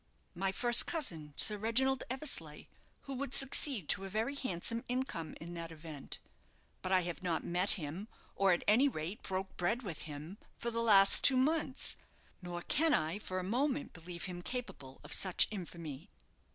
"My first cousin, Sir Reginald Eversleigh, who would succeed to a very handsome income in that event. But I have not met him, or, at any rate, broke bread with him, for the last two months. Nor can I for a moment believe him capable of such infamy."